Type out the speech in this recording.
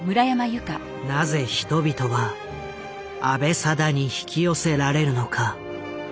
なぜ人々は阿部定に引き寄せられるのか？